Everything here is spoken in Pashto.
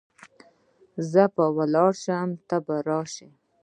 زه به ولاړ سم ته به راسي .